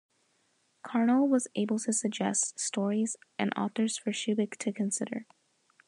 Carnell was able to suggest stories and authors for Shubik to consider.